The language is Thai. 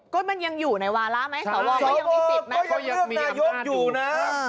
ก็มันยังอยู่ในวาระไหมสวก็ยังมีติดนะ